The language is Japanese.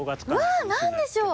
わ何でしょう？